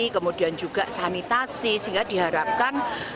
kemudian juga sanitasi sehingga diharapkan